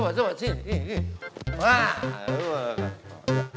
bukan lebar hati